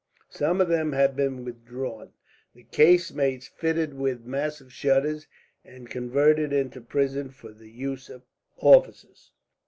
Some of them had been withdrawn, the casemates fitted with massive shutters, and converted into prisons for the use of officers.